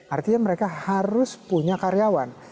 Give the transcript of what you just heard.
artinya mereka harus punya karyawan